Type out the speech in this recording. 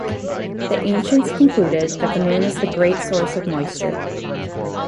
The ancients concluded that the moon is the great source of moisture.